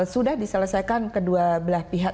sudah diselesaikan kedua belah pihak